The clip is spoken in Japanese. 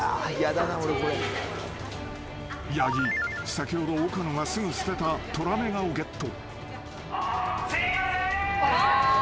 先ほど岡野がすぐ捨てたトラメガをゲット］